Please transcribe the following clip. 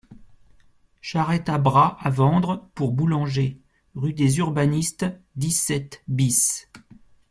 Charrette à bras à vendre pour boulanger, rue des Urbanistes, dix-sept bis.